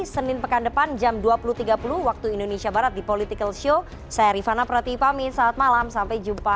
senin pekan depan jam dua puluh tiga puluh waktu indonesia barat di political show saya rifana pratipami saat malam sampai jumpa